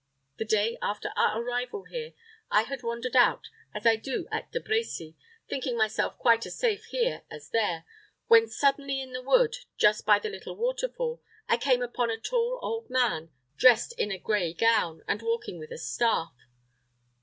The day after our arrival here, I had wandered out, as I do at De Brecy, thinking myself quite as safe here as there, when suddenly in the wood, just by the little waterfall, I came upon a tall old man, dressed in a gray gown, and walking with a staff.